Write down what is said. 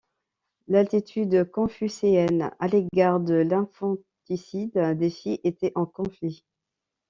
L'attitude confucéenne à l'égard de l'infanticide des filles était en conflit.